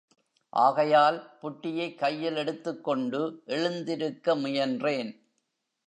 ஆகையால் புட்டியைக் கையில் எடுத்துக் கொண்டு எழுந்திருக்க முயன்றேன்.